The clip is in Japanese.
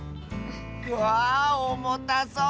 わあおもたそう。